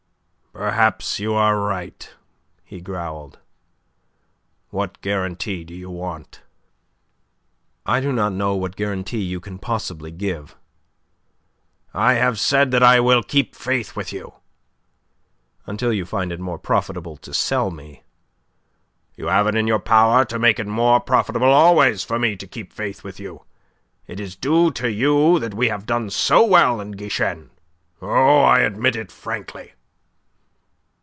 "Perhaps you are right," he growled. "What guarantee do you want?" "I do not know what guarantee you can possibly give." "I have said that I will keep faith with you." "Until you find it more profitable to sell me." "You have it in your power to make it more profitable always for me to keep faith with you. It is due to you that we have done so well in Guichen. Oh, I admit it frankly."